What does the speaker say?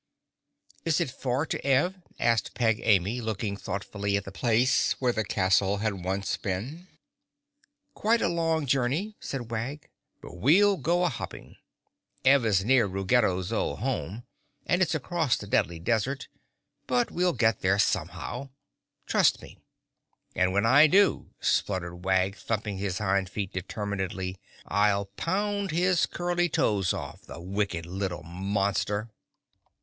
"Is it far to Ev?" asked Peg Amy, looking thoughtfully at the place where the castle had once been. "Quite a long journey," said Wag, "but we'll go a hopping. Ev is near Ruggedo's old home and it's across the Deadly Desert, but we'll get there somehow. Trust me. And when I do!" spluttered Wag, thumping his hind feet determinedly, "I'll pound his curly toes off—the wicked little monster!"